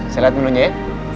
saya lihat menu nya ya